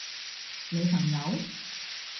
你朋友？